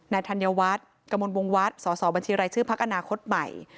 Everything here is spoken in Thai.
นาธันยวัฒน์กระมวลวงวัฒน์สบรภักษ์อนาคตใหม่